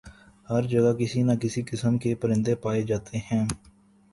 ہر جگہ کسی نہ کسی قسم کے پرندے پائے جاتے ہیں